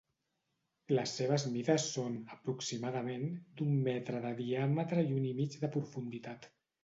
Les seves mides són, aproximadament, d'un metre de diàmetre i un i mig de profunditat.